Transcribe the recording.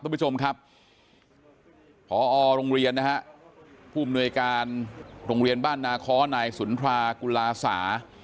ท่านผู้ชมครับหออร์โรงเรียนนะฮะภูมิหน่วยการโรงเรียนบ้านนาคอนายสุนทรากุลาสา